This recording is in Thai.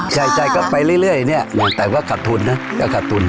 ใช่ก็ไปเรื่อยเนี่ยแต่ว่าขาดทุนนะก็ขาดทุน